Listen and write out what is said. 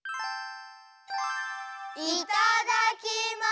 いただきます！